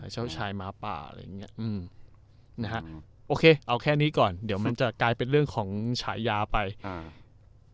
เจ้าชายหมาป่าอะไรอย่างเงี้ยอืมนะฮะโอเคเอาแค่นี้ก่อนเดี๋ยวมันจะกลายเป็นเรื่องของฉายาไปอ่า